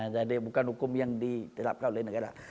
jadi bukan hukum yang ditetapkan oleh negara